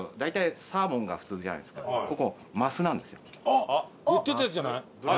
あっ言ってたやつじゃない？